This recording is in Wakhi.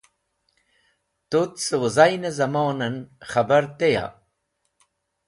Tut cẽ wezaynẽ zẽmonan khẽbar teya?